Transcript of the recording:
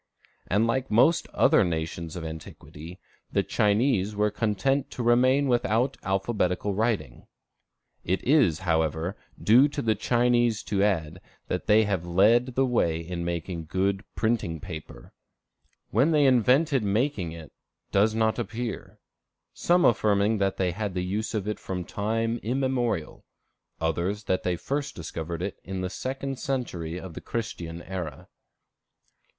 And like most other nations of antiquity, the Chinese were content to remain without alphabetical writing. It is, however, due to the Chinese to add, that they led the way in making good printing paper. When they invented making it, does not appear, some affirming that they had the use of it from time immemorial; others that they first discovered it in the second century of the Christian era.